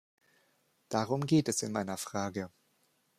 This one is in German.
Darum geht es in meiner Frage.